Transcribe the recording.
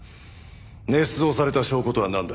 捏造された証拠とはなんだ？